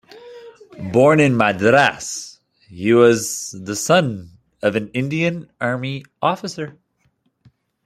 Born in Madras, he was the son of an Indian army officer.